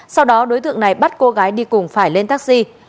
sau đó đối tượng này bắt cô gái đi cùng phải lên taxi